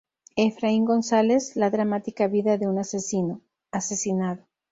Efraín González: La Dramática Vida de un Asesino-- Asesinado.